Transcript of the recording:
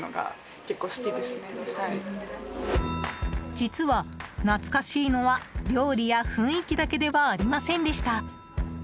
実は懐かしいのは、料理や雰囲気だけではありませんでした。